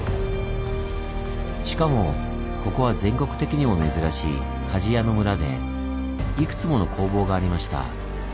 しかもここは全国的にも珍しい鍛冶屋のムラでいくつもの工房がありました。